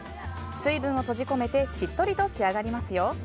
水分を閉じ込めてしっとりと仕上がりますよ。